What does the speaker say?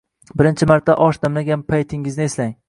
Birinchi marta osh damlagan paytingizni eslang.